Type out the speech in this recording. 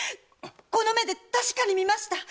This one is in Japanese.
この目で確かに見ました！